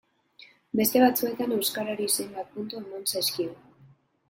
Beste batzuetan euskarari zenbait puntu eman zaizkio.